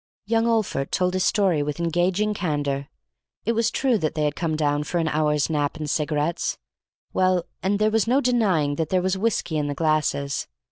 Young Olphert told his story with engaging candor. It was true that they had come down for an hour's Nap and cigarettes; well, and there was no denying that there was whiskey in the glasses.